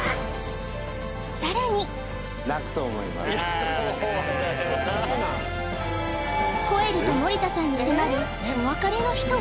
さらに・泣くなコエルと盛田さんに迫るお別れの日とは？